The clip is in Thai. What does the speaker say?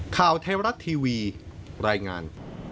ข่าวไทยรัฐทีวีรายงาน